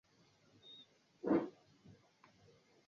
Kupe anaweza kubaki na maambukizi ya ndigana kali